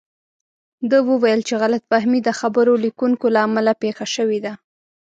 ده وویل چې غلط فهمي د خبر لیکونکو له امله پېښه شوې ده.